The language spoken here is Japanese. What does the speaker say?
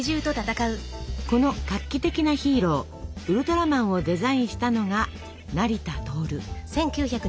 この画期的なヒーローウルトラマンをデザインしたのが成田亨。